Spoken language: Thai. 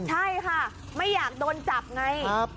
ใช่ค่ะไม่อยากโดนจับไง